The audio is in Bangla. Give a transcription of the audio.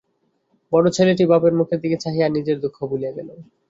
বড়ো ছেলেটি বাপের মুখের দিকে চাহিয়া নিজের দুঃখ ভুলিয়া গেল।